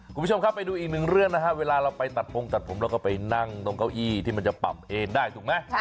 คุณผู้ชมครับไปดูอีกหนึ่งเรื่องนะฮะเวลาเราไปตัดพงตัดผมเราก็ไปนั่งตรงเก้าอี้ที่มันจะปรับเอนได้ถูกไหม